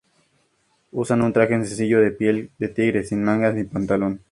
Usa un traje sencillo de piel de tigre, sin mangas ni pantalón.